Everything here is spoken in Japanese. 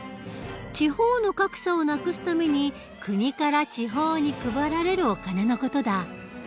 地方の格差をなくすために国から地方に配られるお金の事だ。